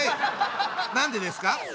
何でですか？